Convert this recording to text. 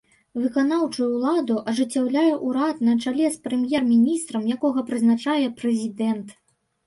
Выканаўчую ўладу ажыццяўляе ўрад на чале з прэм'ер-міністрам, якога прызначае прэзідэнт.